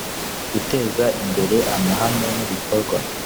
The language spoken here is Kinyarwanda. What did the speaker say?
guteza imbere amahame n ibikorwa